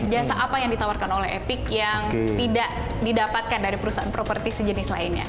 jasa apa yang ditawarkan oleh epic yang tidak didapatkan dari perusahaan properti sejenis lainnya